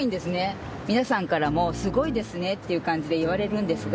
皆さんからも「すごいですね」っていう感じで言われるんですが。